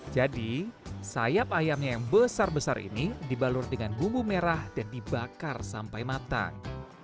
jadi sayap ayamnya yang besar besar ini dibalur dengan bumbu merah dan dibakar sampai matang